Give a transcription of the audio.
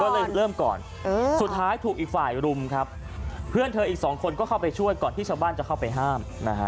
ก็เลยเริ่มก่อนสุดท้ายถูกอีกฝ่ายรุมครับเพื่อนเธออีกสองคนก็เข้าไปช่วยก่อนที่ชาวบ้านจะเข้าไปห้ามนะฮะ